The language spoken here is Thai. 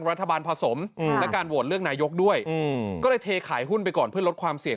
รัฐบาลผสมและการโหวตเลือกนายกด้วยก็เลยเทขายหุ้นไปก่อนเพื่อลดความเสี่ยง